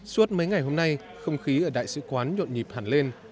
suốt mấy ngày hôm nay không khí ở đại sứ quán nhộn nhịp hẳn lên